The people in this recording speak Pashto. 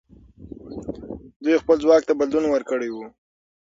دوی خپل ځواک ته بدلون ورکړی وو.